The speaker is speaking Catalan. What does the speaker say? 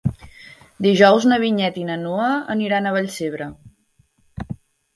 Dijous na Vinyet i na Noa aniran a Vallcebre.